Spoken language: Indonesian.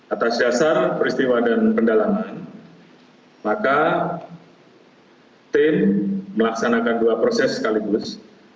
atas dasar peristiwa dan pendalaman maka tim melaksanakan dua proses sekaligus